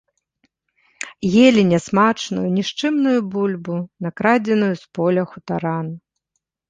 Елі нясмачную нішчымную бульбу, накрадзеную з поля хутаран.